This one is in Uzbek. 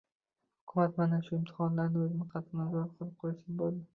Hukumat mana shu imtihonlarni o‘zini qattiq nazorat qilib qo‘ysin, bo‘ldi.